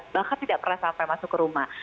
bahkan tidak pernah sampai masuk ke rumah